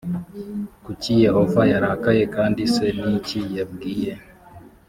kuki yehova yarakaye kandi se ni iki yabwiye